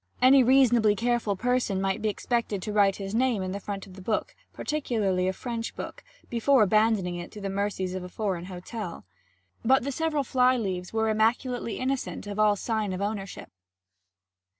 Any reasonably careful person might be expected to write his name in the front of a book particularly a French book before abandoning it to the mercies of a foreign hotel. But the several fly leaves were immaculately innocent of all sign of ownership.